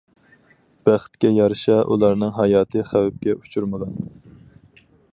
بەختكە يارىشا ئۇلارنىڭ ھاياتى خەۋپكە ئۇچرىمىغان.